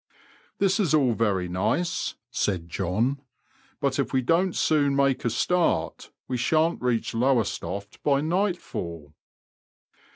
This is all very nice," said John, but if we don't soon make a start we shan't reach Lowestoft by nightfall."